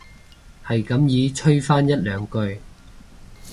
係咁依吹返一兩句